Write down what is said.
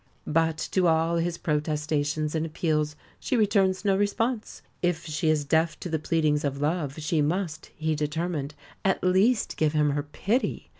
But to all his protestations and appeals she returns no response. If she is deaf to the pleadings of love she must, he determined, at least give him her pity.